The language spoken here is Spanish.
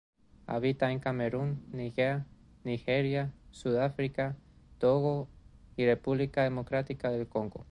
Habita en Camerún, Guinea, Nigeria, Sudáfrica, Togo y República Democrática del Congo.